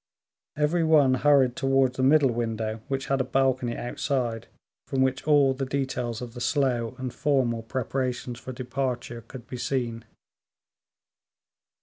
Every one hurried towards the middle window, which had a balcony outside, from which all the details of the slow and formal preparations for departure could be seen.